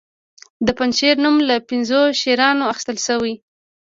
د پنجشیر نوم له پنځو شیرانو اخیستل شوی